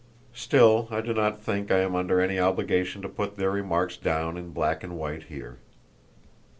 Still I do not think I am under any obligation to put their remarks down in black and white here.